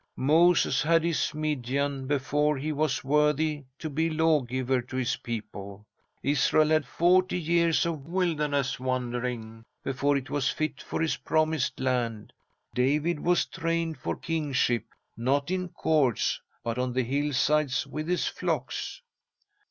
Moses had his Midian before he was worthy to be 'Lawgiver' to his people. Israel had forty years of wilderness wandering before it was fit for its Promised Land. David was trained for kingship, not in courts, but on the hillsides with his flocks.